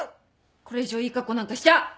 これ以上いいカッコなんかしちゃ！